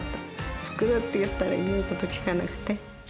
作るって言ったら、言うことを聞かなくて。